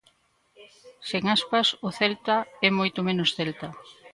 Sen Aspas o Celta é moito menos Celta.